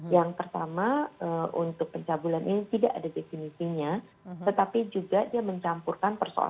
yang pertama untuk pencabulan ini tidak ada definisinya tetapi juga dia mencampurkan persoalan